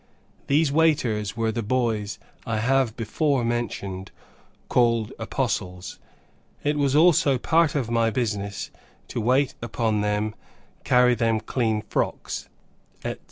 These waiters were the boys I have before mentioned, called apostles. It was also a part of my business to wait upon them, carry them clean frocks, etc.